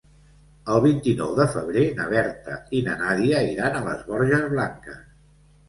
El vint-i-nou de febrer na Berta i na Nàdia iran a les Borges Blanques.